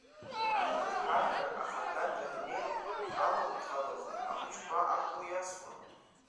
Аҳәынҭқарра ахада даннеи аламҭалазы ахәҷқәа ампыл иасуан.